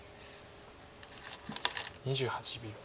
２８秒。